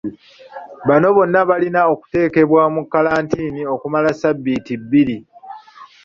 Bano bonna balina okuteekebwa mu kalantiini okumala sabbiiti bbiri.